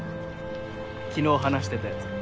昨日話してたやつ。